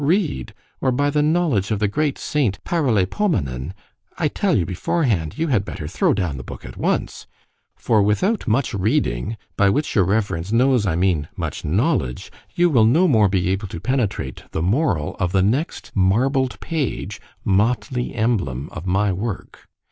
read—or by the knowledge of the great saint Paraleipomenon—I tell you before hand, you had better throw down the book at once; for without much reading, by which your reverence knows I mean much knowledge, you will no more be able to penetrate the moral of the next marbled page (motley emblem of my work!)